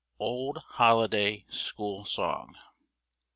_Old Holiday School Song.